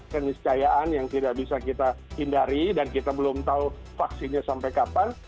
keniscayaan yang tidak bisa kita hindari dan kita belum tahu vaksinnya sampai kapan